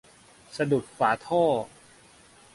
สะดุดฝาท่อ